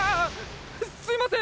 すいません！